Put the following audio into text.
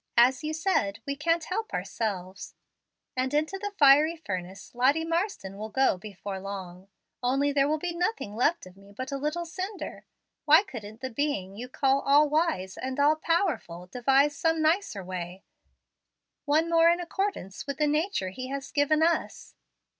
As you said, we can't help ourselves, and into the fiery furnace Lottie Marsden will go before long; only there will be nothing left of me but a little cinder. Why couldn't the Being you call all wise and all powerful, devise some nicer way, one more in accordance with the nature He has given us?